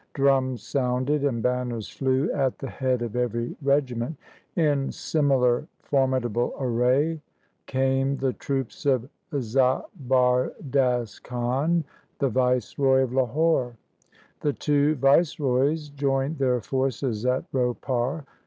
Drums sounded and banners flew at the head of every regiment. In similar formidable array came the troops of Zabardast Khan, the vice roy of Lahore. The two viceroys joined their forces at Ropar.